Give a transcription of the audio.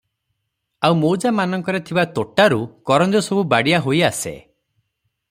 ଆଉ ମୌଜାମାନଙ୍କରେ ଥିବା ତୋଟାରୁ କରଞ୍ଜସବୁ ବାଡ଼ିଆ ହୋଇ ଆସେ ।